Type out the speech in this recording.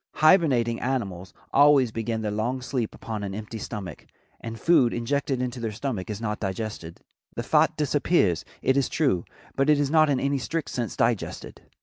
Hibernating animals always begin their long sleep upon an empty stomach, and food injected into their stomach is not digested. The fat disappears, it is true, but it is not in any strict sense digested.